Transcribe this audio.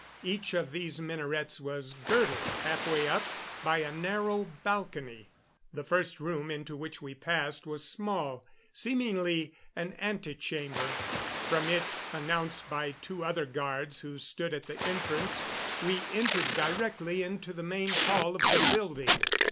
Each of these minarets was girdled, halfway up, by a narrow balcony. The first room into which we passed was small, seemingly an antechamber. From it, announced by two other guards who stood at the entrance, we entered directly into the main hall of the building.